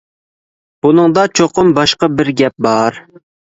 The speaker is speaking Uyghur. بۇنىڭدا چوقۇم باشقا بىر گەپ بار.